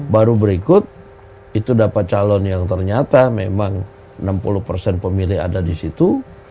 baru berikut itu dapat calon yang ternyata memang enam puluh pemilih ada disitu